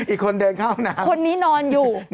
อีกคนเดินเข้านะคนนี้นอนอยู่